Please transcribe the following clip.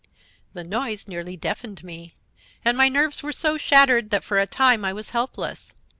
"The noise nearly deafened me, and my nerves were so shattered that for a time I was helpless.